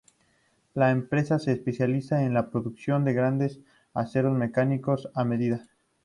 La empresa se especializa en la producción de grandes de acero mecanizados a medida.